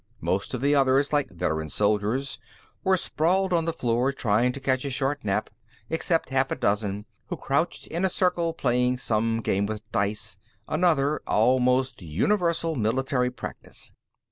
Most of the others, like veteran soldiers, were sprawled on the floor, trying to catch a short nap, except half a dozen, who crouched in a circle, playing some game with dice another almost universal military practice.